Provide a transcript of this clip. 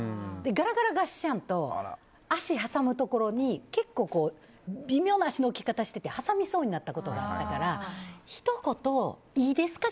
ガラガラガッシャーンと足を挟むところに結構、微妙な足の置き方をしてて挟みそうになったことあったからひと言、いいですか？